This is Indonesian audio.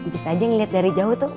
cis aja ngeliat dari jauh tuh